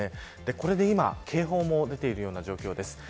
これで今警報も出ているような状況です。